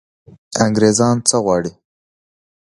انګرېزان څه غواړي.